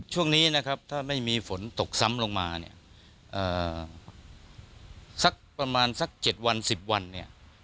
ช่วงนี้นะครับถ้าไม่มีฝนตกซ้ำลงมาเนี่ยสักประมาณสัก๗วัน๑๐วันเนี่ย